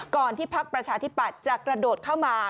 ก่อนที่ภักดิ์ประชาธิบัตรจะกระโดดเข้ามา